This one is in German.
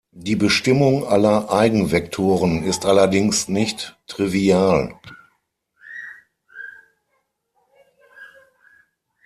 Die Bestimmung aller Eigenvektoren ist allerdings nicht trivial.